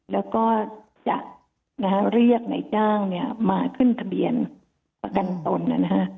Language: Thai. แล้วก็จะนะฮะเรียกในจ้างเนี่ยมาขึ้นทะเบียนประกันตนนะฮะ